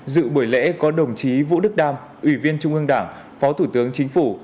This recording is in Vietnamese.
dự buổi lễ có đồng chí vũ đức đam ủy viên trung ương đảng phó thủ tướng chính phủ